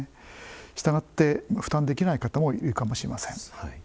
したがって、負担できない方もいるかもしれません。